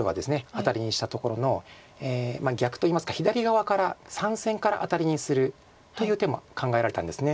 アタリにしたところの逆といいますか左側から３線からアタリにするという手も考えられたんです。